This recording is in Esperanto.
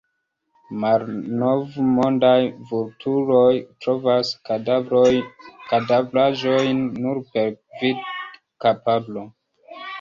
Malnovmondaj vulturoj trovas kadavraĵojn nur per vidkapablo.